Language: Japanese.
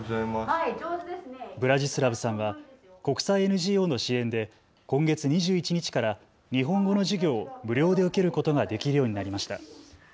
ブラジスラブさんは国際ＮＧＯの支援で今月２１日から日本語の授業を無料で受けることができるようになりました。